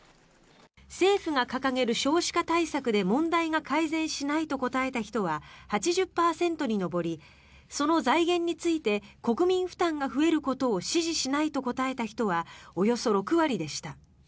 政府が掲げる少子化対策で問題が改善しないと答えた人は８０％に上りその財源について国民負担が増えることを支持しないと答えた人はおよそ６割でした。